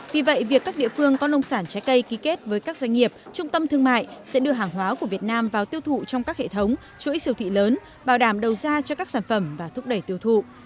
vì vậy việc các địa phương có nông sản trái cây ký kết với các doanh nghiệp trung tâm thương mại sẽ đưa hàng hóa của việt nam vào tiêu thụ trong các hệ thống chuỗi siêu thị lớn bảo đảm đầu ra cho các sản phẩm và thúc đẩy tiêu thụ